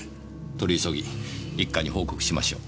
取り急ぎ一課に報告しましょう。